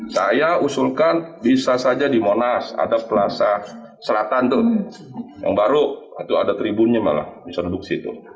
saya usulkan bisa saja di monas ada plaza selatan itu yang baru atau ada tribunnya malah bisa duduk di situ